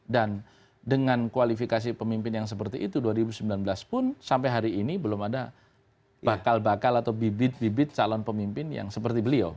dan dengan kualifikasi pemimpin yang seperti itu dua ribu sembilan belas pun sampai hari ini belum ada bakal bakal atau bibit bibit calon pemimpin yang seperti beliau